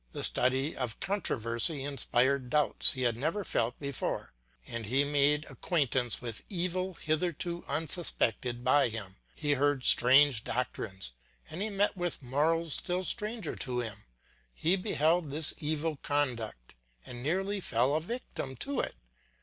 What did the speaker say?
The study of controversy inspired doubts he had never felt before, and he made acquaintance with evil hitherto unsuspected by him; he heard strange doctrines and he met with morals still stranger to him; he beheld this evil conduct and nearly fell a victim to it.